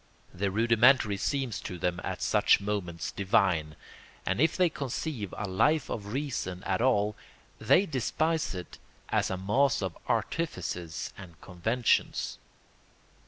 The rudimentary seems to them at such moments divine; and if they conceive a Life of Reason at all they despise it as a mass of artifices and conventions.